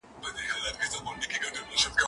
زه به ليکنې کړي وي!؟